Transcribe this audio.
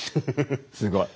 すごい。